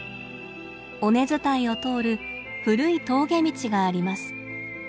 尾根伝いを通る古い峠道があります。